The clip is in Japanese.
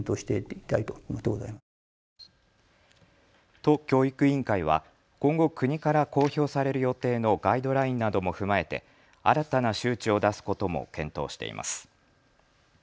都教育委員会は今後、国から公表される予定のガイドラインなども踏まえて新たな周知を出すことも検討しています。